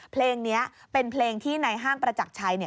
เพลงนี้เป็นเพลงที่ในห้างประจักรชัย